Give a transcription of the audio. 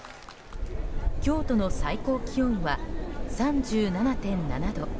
京都の最高気温は３７．７度。